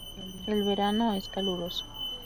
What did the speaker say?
El verano es caluroso.